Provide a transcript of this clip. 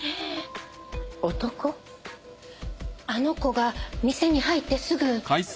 あの子が店に入ってすぐ。